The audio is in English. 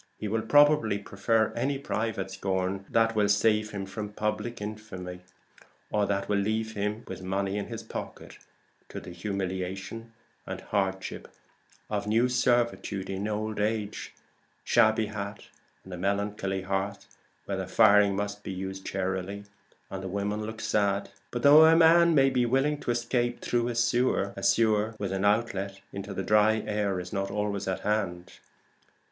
He will probably prefer any private scorn that will save him from public infamy, or that will leave him with money in his pocket, to the humiliation and hardship of new servitude in old age, a shabby hat and a melancholy hearth, where the firing must be used charily and the women look sad. But though a man may be willing to escape through a sewer, a sewer with an outlet into the dry air is not always at hand.